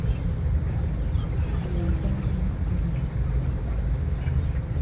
Peldankê bibîne.